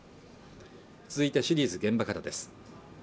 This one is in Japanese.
続いてはシリーズ「現場から」です